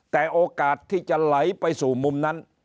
แต่โอกาสที่จะไหลไปสู่มุมนั้น